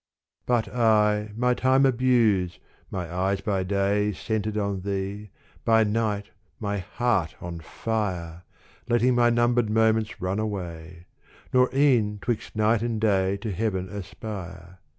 But I my time abuse, my eyes by day Centered on thee, by night my heart on fire — Letting my numbered moments run away — Nor e'en 'twixt night and day to heaven aspire.